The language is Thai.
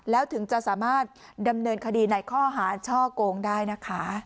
แล้วถึงจะสามารถดำเนินคดีในข้อหาช่อกงได้นะคะ